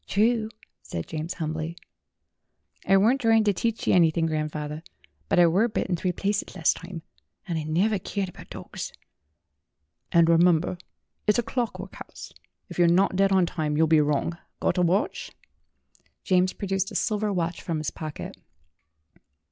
"True," said James humbly. "I worn't tryin' ter teach yer anything, grandf awther, but I were bit in three places lawst time, and I never keered about dogs." "And remember it's a clockwork house. If you're not dead on time, you'll be wrong. Got a watch ?" 156 STORIES WITHOUT TEARS James produced a silver watch from his pocket.